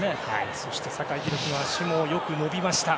そして、酒井宏樹の足もよく伸びました。